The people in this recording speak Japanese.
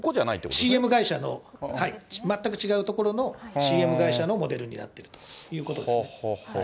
ＣＭ会社の、全く違うところのＣＭ会社のモデルになっているということですね。